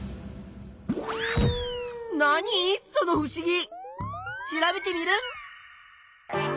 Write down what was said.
そのふしぎ！調べテミルン！